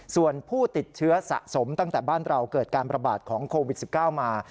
ส่วนผู้ติดเชื้อสะสมตั้งแต่บ้านเราเกิดการประบาดของโควิด๑๙มา